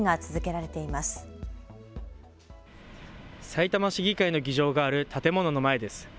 さいたま市議会の議場がある建物の前です。